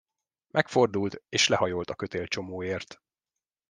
Megfordult és lehajolt a kötélcsomóért.